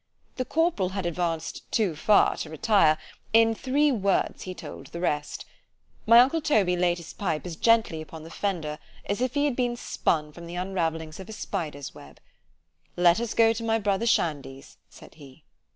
The corporal had advanced too far to retire——in three words he told the rest—— My uncle Toby laid down his pipe as gently upon the fender, as if it had been spun from the unravellings of a spider's web—— ——Let us go to my brother Shandy's, said he.